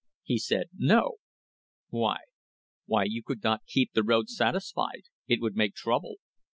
He said, 'No.' 'Why?' 'Why, you could not keep the road satis fied; it would make trouble.'